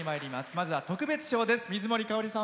まずは特別賞です。